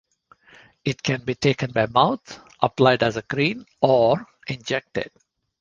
It can be taken by mouth, applied as a cream, or injected.